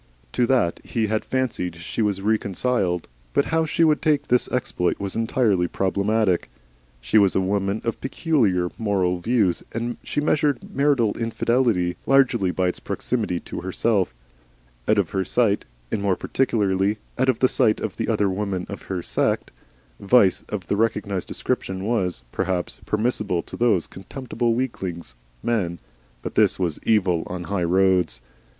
To that he had fancied she was reconciled, but how she would take this exploit was entirely problematical. She was a woman of peculiar moral views, and she measured marital infidelity largely by its proximity to herself. Out of her sight, and more particularly out of the sight of the other women of her set, vice of the recognised description was, perhaps, permissible to those contemptible weaklings, men, but this was Evil on the High Roads.